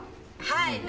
はい。